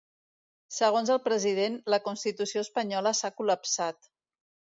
Segons el president, la constitució espanyola s’ha col·lapsat.